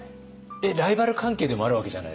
えっライバル関係でもあるわけじゃないですか。